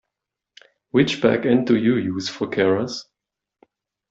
Which backend do you use for Keras?